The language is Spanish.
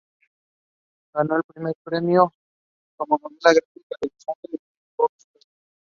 Ganó el primer premio como novela gráfica en Los Angeles Times Book Prize.